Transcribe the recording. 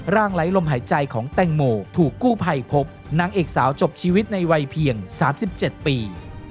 ไร้ลมหายใจของแตงโมถูกกู้ภัยพบนางเอกสาวจบชีวิตในวัยเพียง๓๗ปี